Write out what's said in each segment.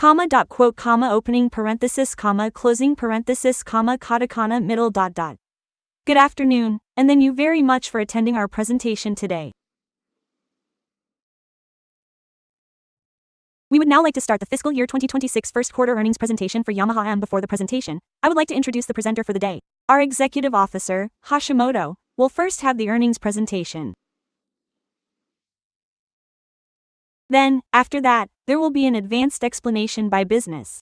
Good afternoon, thank you very much for attending our presentation today. We would now like to start the Fiscal Year 2026 First Quarter Earnings Presentation for Yamaha Motor. Before the presentation, I would like to introduce the presenter for the day. Our Executive Officer, Hashimoto, will first have the earnings presentation. Then, after that, there will be an advanced explanation by business.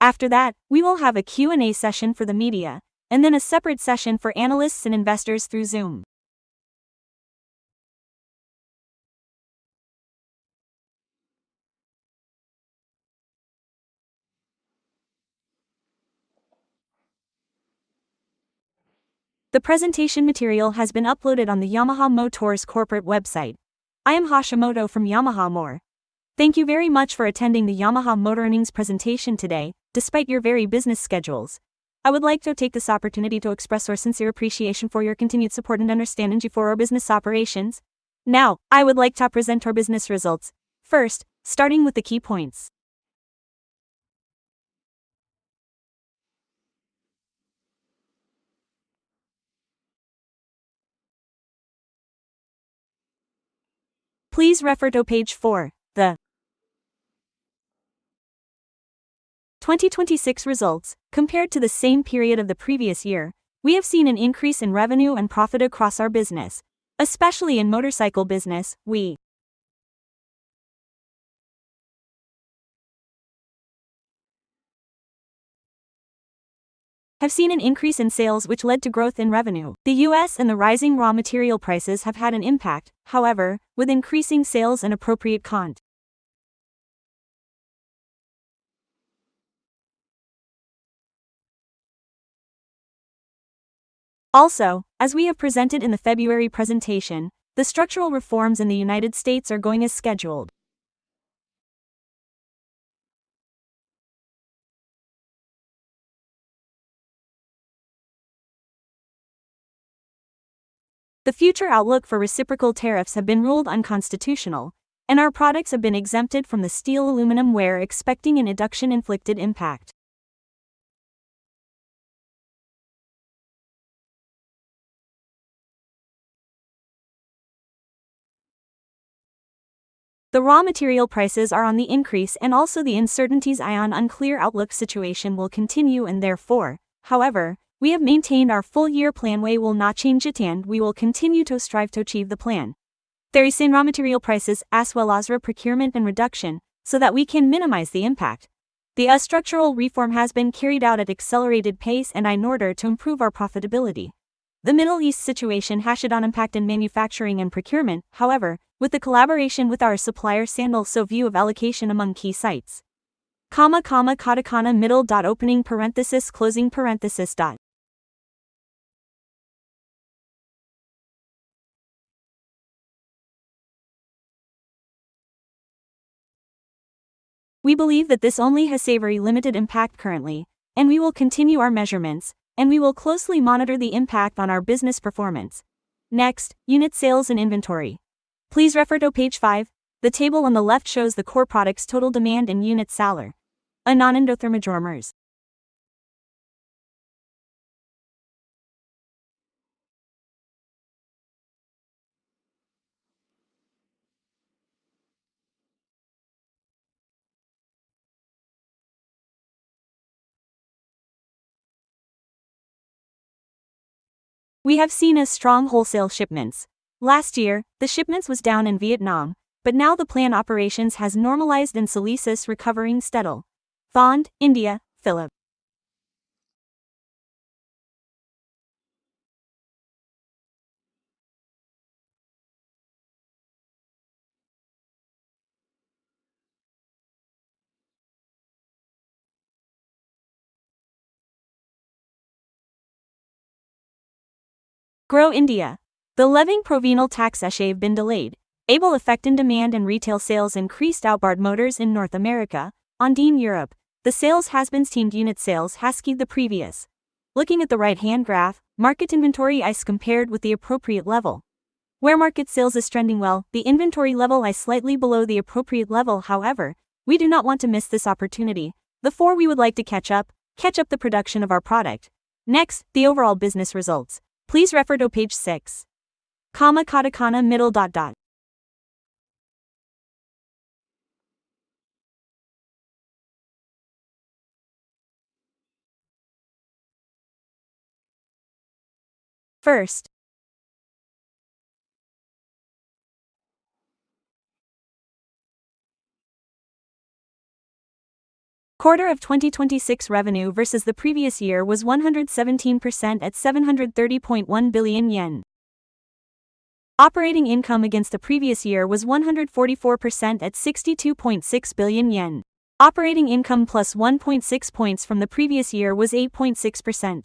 After that, we will have a Q&A session for the media, then a separate session for analysts and investors through Zoom. The presentation material has been uploaded on the Yamaha Motor's corporate website. I am Hashimoto from Yamaha Motor. Thank you very much for attending the Yamaha Motor earnings presentation today, despite your very busy schedules. I would like to take this opportunity to express our sincere appreciation for your continued support and understanding for our business operations. Now, I would like to present our business results. First, starting with the key points. Please refer to Page four, the 2026 results compared to the same period of the previous year. We have seen an increase in revenue and profit across our business. Especially in motorcycle business, we have seen an increase in sales which led to growth in revenue. The U.S. and the rising raw material prices have had an impact, however, with increasing sales and appropriate. Also, as we have presented in the February presentation, the structural reforms in the United States are going as scheduled. The future outlook for reciprocal tariffs have been ruled unconstitutional, and our products have been exempted from the steel aluminum, we're expecting an adduction inflicted impact. The raw material prices are on the increase and also the uncertainties on unclear outlook situation will continue and therefore. We have maintained our full year plan. We will not change it and we will continue to strive to achieve the plan. There is raw material prices as well as re-procurement and reduction so that we can minimize the impact. The structural reform has been carried out at accelerated pace and in order to improve our profitability. The Middle East situation has had an impact on manufacturing and procurement, however, with the collaboration with our suppliers and also view of allocation among key sites. We believe that this only has a very limited impact currently, and we will continue our measurements, and we will closely monitor the impact on our business performance. Next, unit sales and inventory. Please refer to Page five. The table on the left shows the core products total demand and unit sales. In Indonesia, we have seen a strong wholesale shipments. Last year, the shipments was down in Vietnam, now the plan operations has normalized and sales is recovering steadily. Thailand, India, Philippines grow India. The levying provincial taxes have been delayed, able effect in demand and retail sales increased outboard motors in North America, and in Europe, the sales has been steady unit sales has skewed the previous. Looking at the right-hand graph, market inventory is compared with the appropriate level. Where market sales is trending well, the inventory level is slightly below the appropriate level, however, we do not want to miss this opportunity. Therefore we would like to catch up the production of our product. Next, the overall business results. Please refer to page six. First quarter of 2026 revenue versus the previous year was 117% at 730.1 billion yen. Operating income against the previous year was 144% at 62.6 billion yen. Operating income +1.6 points from the previous year was 8.6%.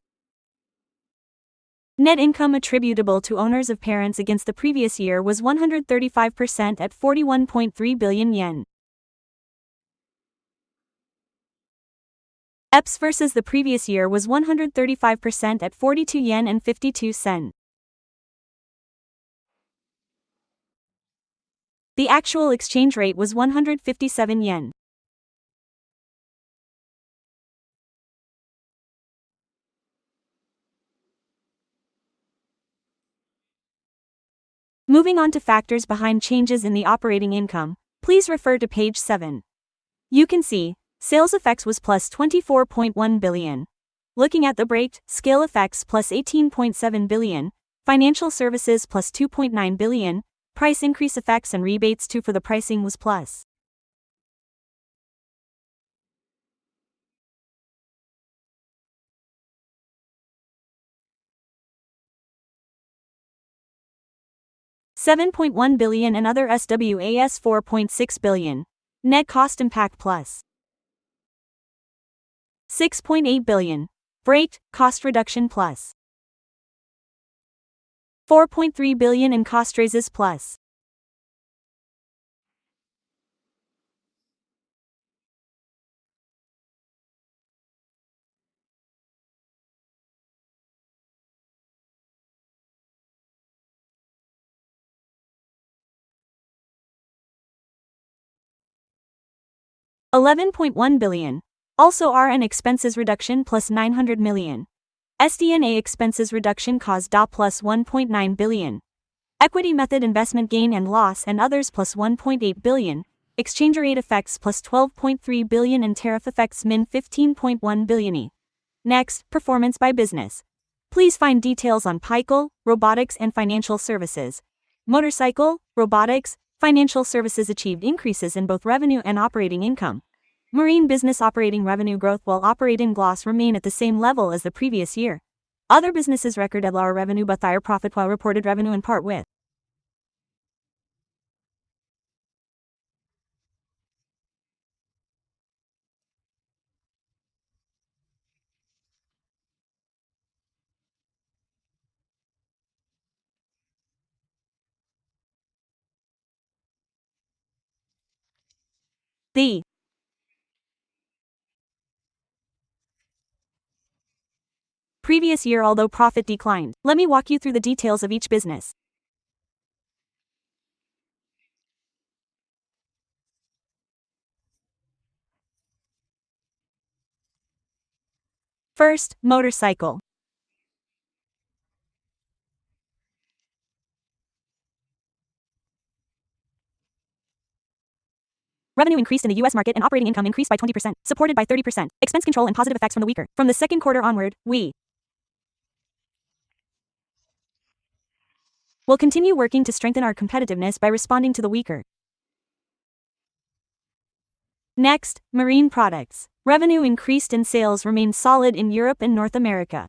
Net income attributable to owners of parents against the previous year was 135% at 41.3 billion yen. EPS versus the previous year was 135% at 42.52 yen. The actual exchange rate was 157 yen. Moving on to factors behind changes in the operating income, please refer to page seven. You can see sales effects was +24.1 billion. Looking at the breakdown, scale effects +18.7 billion, financial services +2.9 billion, price increase effects and rebates too for the pricing was +7.1 billion, and other SWAS 4.6 billion. Net cost impact +6.8 billion. Breakdown, cost reduction +4.3 billion and cost raises +JPY 11.1 billion. R&D expenses reduction +900 million. SG&A expenses reduction caused +1.9 billion. Equity method investment gain and loss and others +1.8 billion. Exchange rate effects +12.3 billion and tariff effects -15.1 billion. Next, performance by business. Please find details on motorcycle, robotics, and financial services. Motorcycle, robotics, financial services achieved increases in both revenue and operating income. Marine business operating revenue growth, while operating loss remained at the same level as the previous year. Other businesses recorded lower revenue but higher profit while reported revenue in part with the previous year, although profit declined. Let me walk you through the details of each business. First, motorcycle. Revenue increased in the U.S. market and operating income increased by 20%, supported by 30% expense control and positive effects from the weaker. From the second quarter onward, we will continue working to strengthen our competitiveness by responding to the weaker. Next, marine products. Revenue increased and sales remained solid in Europe and North America.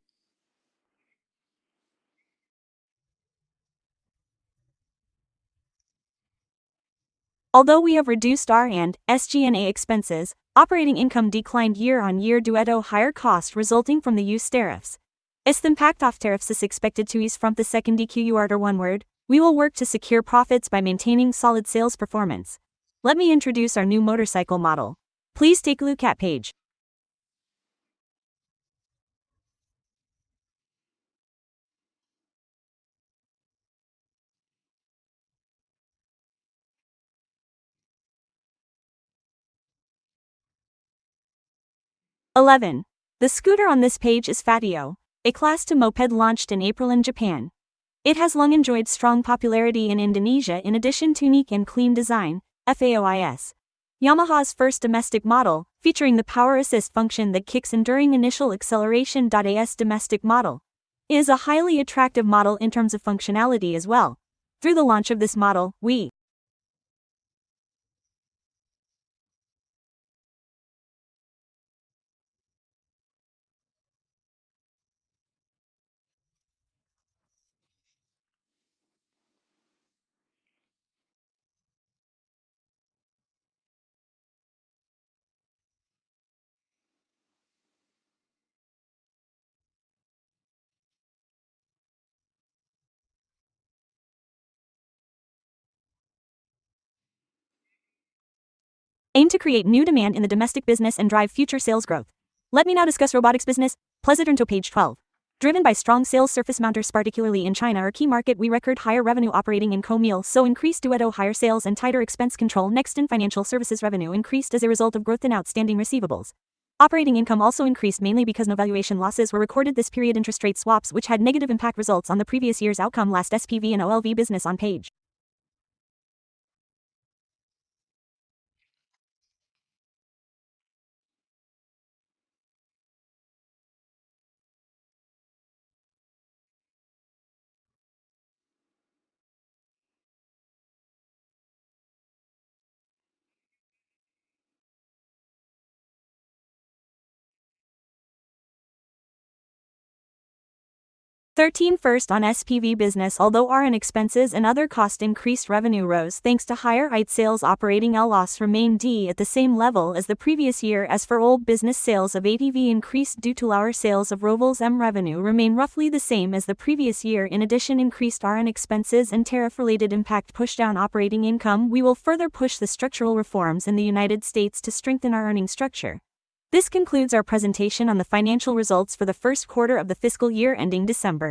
Although we have reduced R&D and SG&A expenses, operating income declined year-on-year due to higher costs resulting from the U.S. tariffs. As the impact of tariffs is expected to ease from the second quarter onward, we will work to secure profits by maintaining solid sales performance. Let me introduce our new motorcycle model. Please take a look at Page 11. The scooter on this page is Fazzio, a Class 2 moped launched in April in Japan. It has long enjoyed strong popularity in Indonesia in addition to unique and clean design. Fazzio is Yamaha's first domestic model featuring the power assist function that kicks in during initial acceleration. As a domestic model, it is a highly attractive model in terms of functionality as well. Through the launch of this model, we aim to create new demand in the domestic business and drive future sales growth. Let me now discuss robotics business. Please turn to Page 12. Driven by strong sales of Surface Mounters, particularly in China, our key market, we recorded higher revenue. Operating income also increased due to higher sales and tighter cost control. In financial services, revenue increased as a result of growth in outstanding receivables. Operating income also increased, mainly because no valuation losses were recorded this period, interest rate swaps, which had negative impact results on the previous year's outcome. SPV and OLV business on Page 13. On SPV business, although R&D expenses and other costs increased, revenue rose thanks to higher unit sales. Operating loss remained at the same level as the previous year. As for OLV business, sales of ATV increased due to lower sales of ROVs, and revenue remained roughly the same as the previous year. In addition, increased R&D expenses and tariff-related impact pushed down operating income. We will further push the structural reforms in the United States to strengthen our earnings structure. This concludes our presentation on the financial results for the first quarter of the fiscal year ending December.